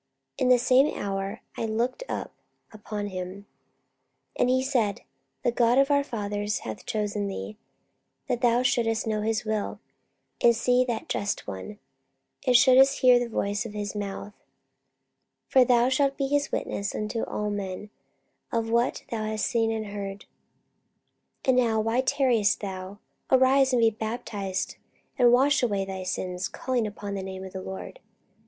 And the same hour I looked up upon him. 44:022:014 And he said, The God of our fathers hath chosen thee, that thou shouldest know his will, and see that Just One, and shouldest hear the voice of his mouth. 44:022:015 For thou shalt be his witness unto all men of what thou hast seen and heard. 44:022:016 And now why tarriest thou? arise, and be baptized, and wash away thy sins, calling on the name of the Lord.